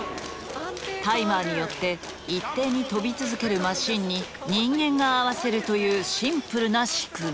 タイマーによって一定に跳び続けるマシンに人間が合わせるというシンプルな仕組み。